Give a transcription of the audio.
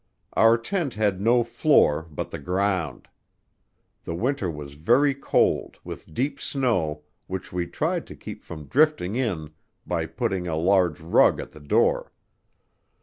Our tent had no floor but the ground. The winter was very cold, with deep snow, which we tried to keep from drifting in by putting a large rug at the door.